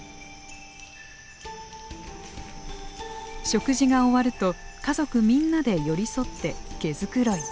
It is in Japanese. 食事が終わると家族みんなで寄り添って毛繕い。